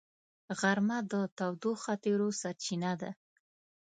غرمه د تودو خاطرو سرچینه ده